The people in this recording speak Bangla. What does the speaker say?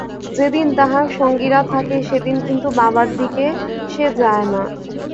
যেদিন তাহার সঙ্গীরা থাকে, সেদিন কিন্তু বাবার দিকে সে যায় না।